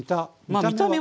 見た目は。